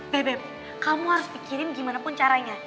bebek kamu harus pikirin gimana pun caranya